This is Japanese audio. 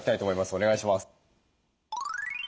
お願いします。